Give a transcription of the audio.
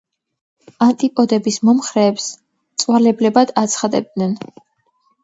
ანტიპოდების მომხრეებს მწვალებლებად აცხადებდნენ.